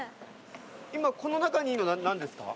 今この中にいるの何ですか？